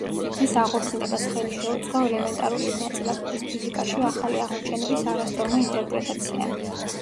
მის აღორძინებას ხელი შეუწყო ელემენტარული ნაწილაკების ფიზიკაში ახალი აღმოჩენების არასწორმა ინტერპრეტაციამ.